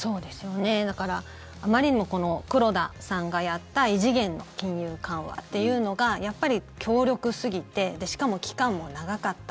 だから、あまりにも黒田さんがやった異次元の金融緩和っていうのがやっぱり強力すぎてしかも期間も長かった。